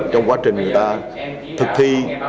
trong quá trình người ta thực thi